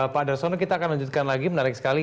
pak darsono kita akan lanjutkan lagi menarik sekali